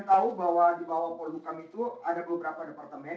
ya kalian tahu bahwa di bawah pol dukang itu ada beberapa departemen